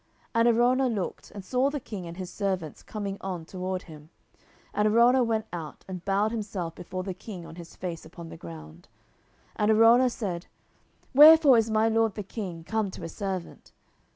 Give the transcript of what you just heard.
10:024:020 And Araunah looked, and saw the king and his servants coming on toward him: and Araunah went out, and bowed himself before the king on his face upon the ground. 10:024:021 And Araunah said, Wherefore is my lord the king come to his servant?